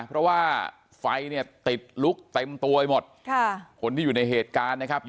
เพราะว่าไฟเนี่ยติดลุกเต็มตัวไปหมดค่ะคนที่อยู่ในเหตุการณ์นะครับ